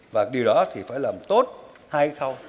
và điều đó thì phải làm tốt hai khâu